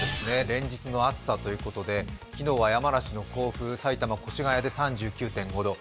連日の暑さということで、昨日は山梨の甲府、埼玉・越谷で３９．５度。